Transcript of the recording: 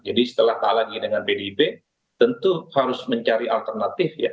jadi setelah tak lagi dengan pdib tentu harus mencari alternatif ya